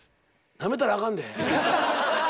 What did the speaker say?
なめたらあかんで。